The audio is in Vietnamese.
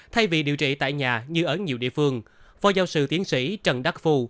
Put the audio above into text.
thay vì điều trị tại nhà như ở nhiều địa phương phó giáo sư tiến sĩ trần đắc phu